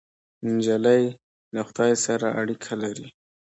نجلۍ له خدای سره اړیکه لري.